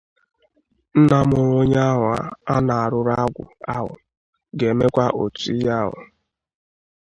Nnà mụrụ onye ahụ a na-arụrụ agwụ ahụ ga-emekwa otu ihe ahụ